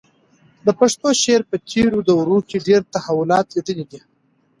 د پښتو شعر په تېرو دورو کې ډېر تحولات لیدلي دي.